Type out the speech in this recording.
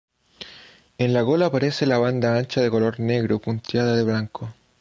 En la cola aparece una banda ancha de color negro punteada de blanco.